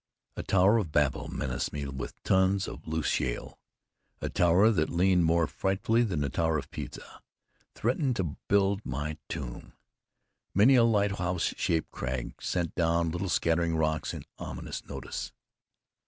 A tower of Babel menaced me with tons of loose shale. A tower that leaned more frightfully than the Tower of Pisa threatened to build my tomb. Many a lighthouse shaped crag sent down little scattering rocks in ominous notice.